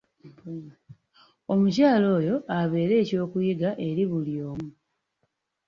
Omukyala oyo abeere eky'okuyiga eri buli omu.